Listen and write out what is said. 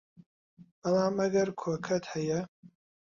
بەڵام ئەگەر کۆکەت هەیە